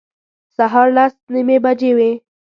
سهار لس نیمې بجې وې.